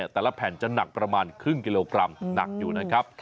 แต่ละแผ่นจะหนักประมาณครึ่งกิโลกรัมหนักอยู่นะครับ